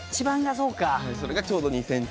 それがちょうど２ｃｍ。